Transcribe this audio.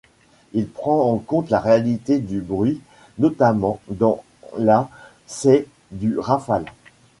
Il prend en compte la réalité du bruit, notamment dans la ces du Rafale.